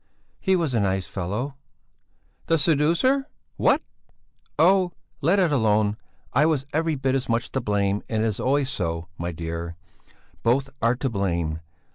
"He was a nice fellow." "The seducer? What?" "Oh! let it alone! I was every bit as much to blame, and it is always so, my dear; both are to blame!